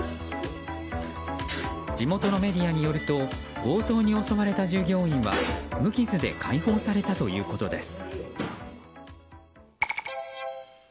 地元のメディアによると強盗に襲われた従業員は無傷で解放されたということです。